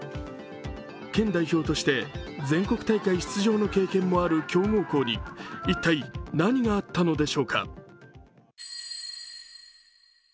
県代表として全国大会出場の経験もある強豪校に一体何があったのでしょうか。